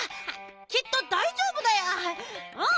きっとだいじょうぶだようん！